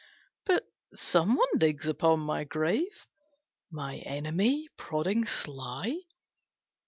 '" "But someone digs upon my grave? My enemy? prodding sly?"